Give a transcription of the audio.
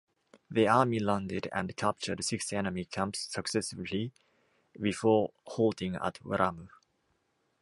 The army landed and captured six enemy camps successively before halting at Ramu.